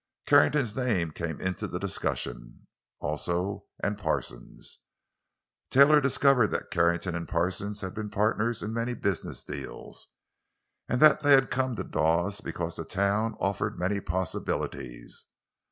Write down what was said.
Carrington's name came into the discussion, also, and Parsons. Taylor discovered that Carrington and Parsons had been partners in many business deals, and that they had come to Dawes because the town offered many possibilities.